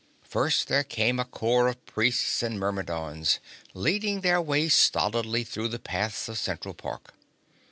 First came a corps of Priests and Myrmidons, leading their way stolidly through the paths of Central Park.